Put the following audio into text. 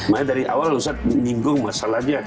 makanya dari awal ustaz ninggung masalahnya